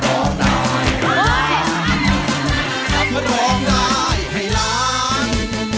ร้องได้ให้ล้านร้องได้ให้ล้าน